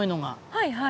はいはい。